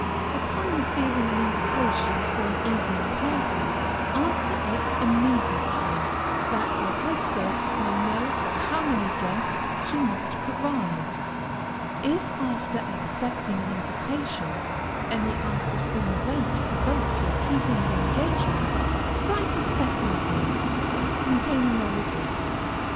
Upon receiving an invitation for an evening party, answer it immediately, that your hostess may know for how many guests she must provide. If, after accepting an invitation, any unforeseen event prevents your keeping the engagement, write a second note, containing your regrets.